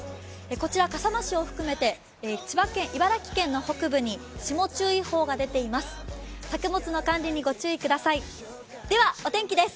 こちら笠間市を含めて茨城県の北部に霜注意報が出ています。